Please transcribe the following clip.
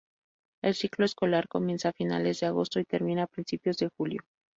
El ciclo escolar comienza a finales de agosto y termina a principios de julio.